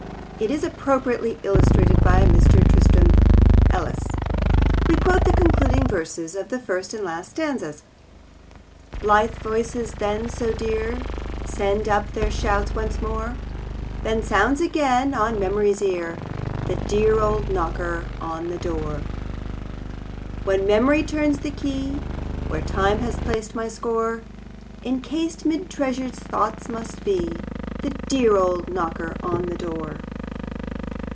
It is appropriately illustrated by Mr. Tristram Ellis. We quote the concluding verses of the first and last stanzas: Blithe voices then so dear Send up their shouts once more, Then sounds again on mem'ry's ear The dear old knocker on the door. ..... When mem'ry turns the key Where time has placed my score, Encased 'mid treasured thoughts must be The dear old knocker on the door.